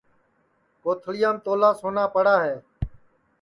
کوتھݪِیام تولا سونا پڑا ہے